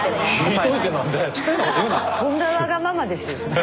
とんだわがままですよね。